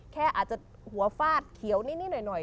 อาจจะหัวฟาดเขียวนิดหน่อย